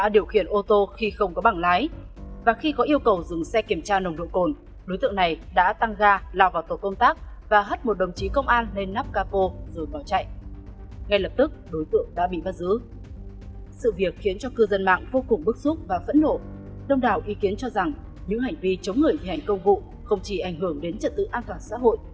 đông đào ý kiến cho rằng những hành vi chống người thi hành công vụ không chỉ ảnh hưởng đến trận tự an toàn xã hội